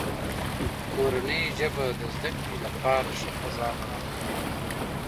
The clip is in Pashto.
مورنۍ ژبه د زده کړې لپاره ښه فضا برابروي.